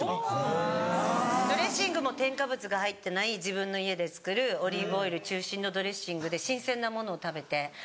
・へぇ・ドレッシングも添加物が入ってない自分の家で作るオリーブオイル中心のドレッシングで新鮮なものを食べて。